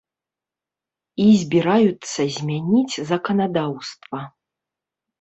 І збіраюцца змяніць заканадаўства.